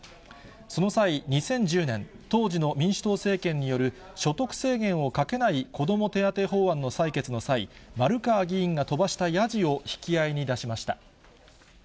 その際、２０１０年、当時の民主党政権による所得制限をかけない子ども手当法案の採決の際、丸川議員が飛ばしたやじを引き合いに出しました。